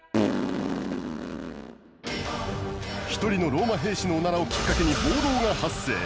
一人のローマ兵士のオナラをきっかけに暴動が発生。